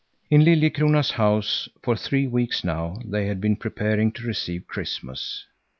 In Liljekrona's house for three weeks now they had been preparing to receive Christmas.